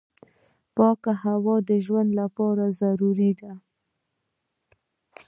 پاکه هوا د ژوند لپاره ضروري ده.